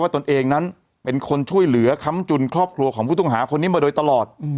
ตนเองนั้นเป็นคนช่วยเหลือค้ำจุนครอบครัวของผู้ต้องหาคนนี้มาโดยตลอด